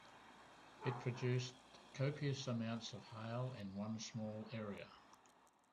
It produced copious amounts of hail in one small area.